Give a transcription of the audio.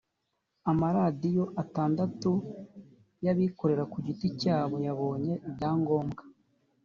amaradiyo atandatu y’abikorera ku giti cyabo yabonye ibyangombwa